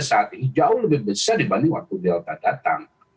saat ini jauh lebih besar dibanding waktu delta datang